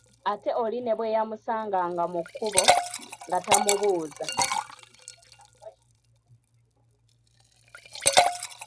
Ate oli ne bwe yamusanganga mu kkubo, nga tamubuuza.